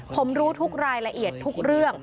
ผมรู้ทุกรายละเอียดทุกเรื่อง